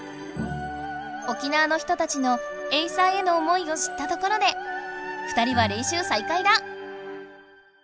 沖縄の人たちのエイサーへの思いを知ったところで２人はれんしゅうさいかいだ！